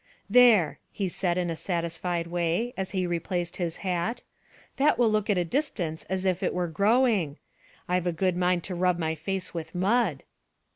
"There," he said in a satisfied way, as he replaced his hat, "that will look at a distance as if it were growing. I've a good mind to rub my face with mud."